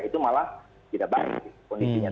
itu malah tidak baik kondisinya